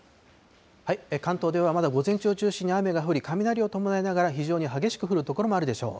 関東ではまだ午前中を中心に雨が降り、雷を伴いながら非常に激しく降る所もあるでしょう。